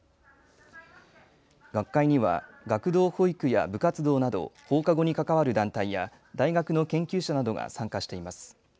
学会には学童保育や部活動など放課後に関わる団体や大学の研究者などが参加しています。